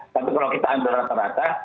tapi kalau kita ambil rata rata